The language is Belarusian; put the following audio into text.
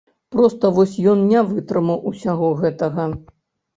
Проста вось ён не вытрымаў усяго гэтага.